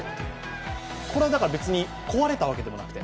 これは別に壊れたわけでもなくて。